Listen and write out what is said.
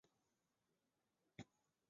明斯克地铁在这里也设有车站。